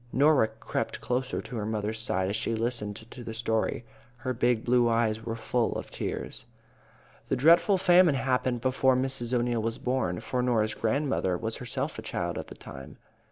Norah crept close to her mother's side as she listened to the story. Her big blue eyes were full of tears. This dreadful famine happened before Mrs. O'Neil was born, for Norah's grandmother was herself a child at the time.